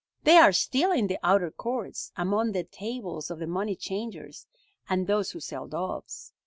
They are still in the outer courts, among the tables of the money changers, and those who sell doves.